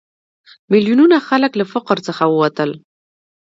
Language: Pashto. میلیونونه خلک له فقر څخه ووتل.